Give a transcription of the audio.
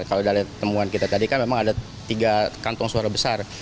kalau dari temuan kita tadi kan memang ada tiga kantong suara besar